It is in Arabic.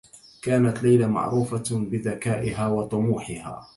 كانت ليلى معروفة بذكائها و طموحها.